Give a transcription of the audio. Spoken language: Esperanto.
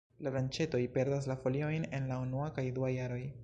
La branĉetoj perdas la foliojn en la unua kaj dua jaroj.